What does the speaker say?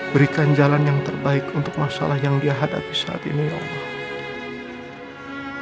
berikan jalan yang terbaik untuk masalah yang dihadapi saat ini ya allah